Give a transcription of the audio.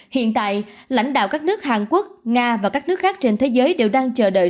hiện tại lãnh đạo các nước hàn quốc nga và các nước khác trên thế giới đều đang chờ đợi